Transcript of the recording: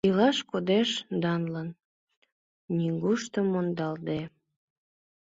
Илаш кодеш данлын, нигушто мондалтде!